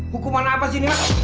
hukuman apa sih ini